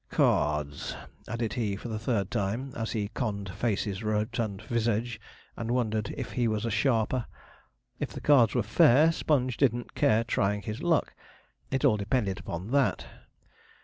'Cards,' added he, for the third time, as he conned Facey's rotund visage, and wondered if he was a sharper. If the cards were fair, Sponge didn't care trying his luck. It all depended upon that.